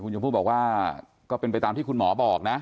ชมพู่บอกว่าก็เป็นไปตามที่คุณหมอบอกนะ